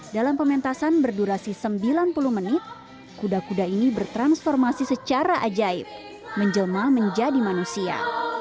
dalam pementasan berdurasi sembilan puluh menit kuda kuda ini bertransformasi secara ajaib menjelma menjadi manusia